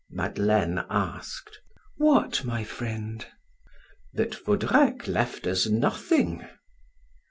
Madeleine asked: "What, my friend?" "That Vaudrec left us nothing."